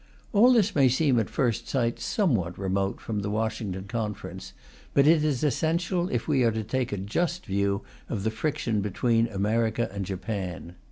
All this may seem, at first sight, somewhat remote from the Washington Conference, but it is essential if we are to take a just view of the friction between America and Japan.